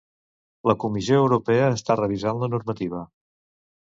La Comissió Europea està revisant la normativa